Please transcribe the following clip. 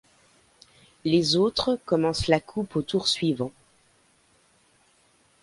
Les autres commencent la coupe au tour suivant.